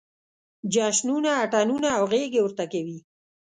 جشنونه، اتڼونه او غېږې ورته کوي.